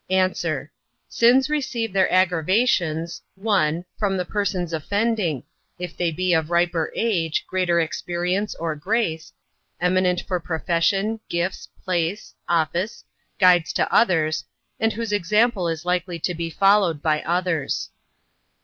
A. Sins receive their aggravations, 1. From the persons offending; if they be of riper age, greater experience or grace, eminent for profession, gifts, place, office, guides to others, and whose example is likely to be followed by others.